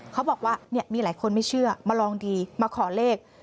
เขาบอกว่ามีหลายคนไม่เชื่อมาลองดีมาขอเลข